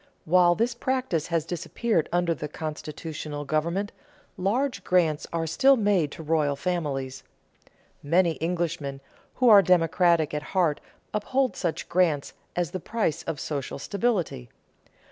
While this practice has disappeared under constitutional government, large grants are still made to royal families. Many Englishmen who are democratic at heart uphold such grants as the price of social stability.